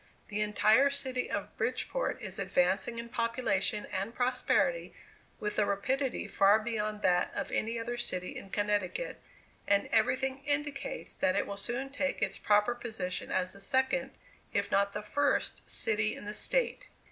The entire City of Bridgeport is advancing in population and prosperity with a rapidity far beyond that of any other city in Connecticut, and everything indicates that it will soon take its proper position as the second, if not the first, city in the State.